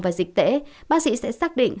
và dịch tễ bác sĩ sẽ xác định